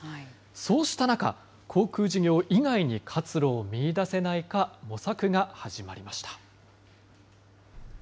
そうした中、航空事業以外に活路を見いだせないか模索が始まりました。